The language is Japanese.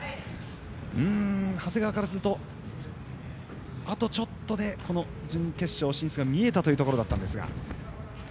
長谷川からするとあとちょっとで準決勝進出が見えたところだったんですが。